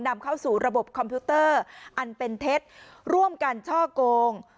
นำเข้าสู่ระบบคอมพิวเตอร์อันเป็นเท็จร่วมกันช่อโกง